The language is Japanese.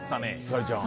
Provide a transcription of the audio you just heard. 星ちゃん。